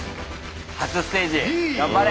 初ステージ頑張れ！